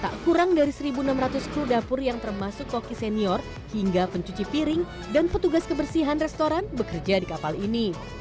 tak kurang dari satu enam ratus kru dapur yang termasuk koki senior hingga pencuci piring dan petugas kebersihan restoran bekerja di kapal ini